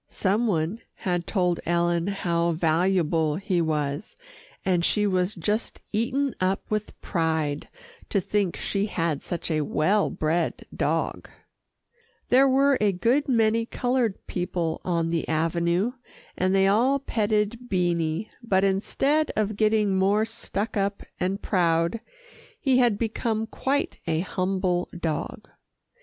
Some one had told Ellen how valuable he was, and she was just eaten up with pride to think that she had such a well bred dog. [Illustration: BEANIE WAS QUITE HANDSOME NOW] There were a good many coloured people on the avenue, and they all petted Beanie, but instead of getting more stuck up and proud, he had become quite a humble dog.